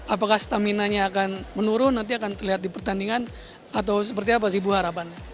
apakah stamina nya akan menurun nanti akan terlihat di pertandingan atau seperti apa sih bu harapannya